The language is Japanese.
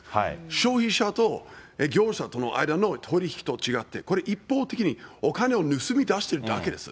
消費者と業者との間の取り引きと違って、これ、一方的にお金を盗み出しているだけです。